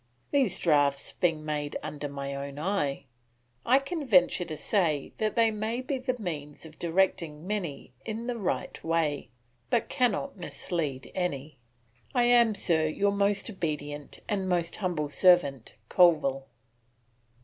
These draughts being made under my own eye, I can venture to say they may be the means of directing many in the right way, but cannot mislead any. I am, sir, your most obedient and most humble servant, Colville.